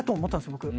僕。